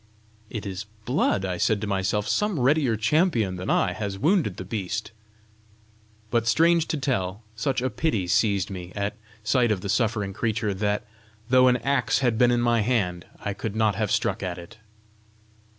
"It is blood!" I said to myself, "some readier champion than I has wounded the beast!" But, strange to tell, such a pity seized me at sight of the suffering creature, that, though an axe had been in my hand I could not have struck at it.